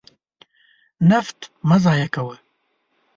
نفت مه ضایع کوه.